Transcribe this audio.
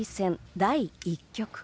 第１局。